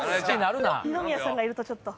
二宮さんがいるとちょっと。